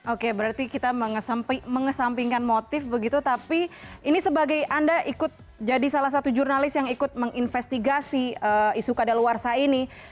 oke berarti kita mengesampingkan motif begitu tapi ini sebagai anda ikut jadi salah satu jurnalis yang ikut menginvestigasi isu kadaluarsa ini